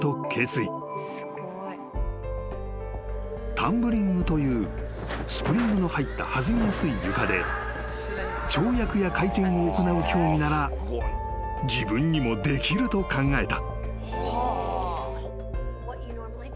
［タンブリングというスプリングの入った弾みやすい床で跳躍や回転を行う競技なら自分にもできると考えた］